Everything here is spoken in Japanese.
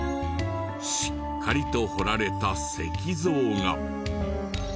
しっかりと彫られた石像が。